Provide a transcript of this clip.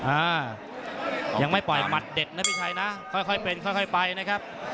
อ่ายังไม่ปล่อยหมัดเด็ดนะพี่ชัยนะค่อยเป็นค่อยไปนะครับ